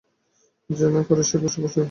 যে না করে সে পশু, সে পশু!